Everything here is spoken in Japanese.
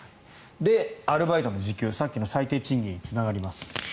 アルバイトの時給さっきの最低賃金につながります。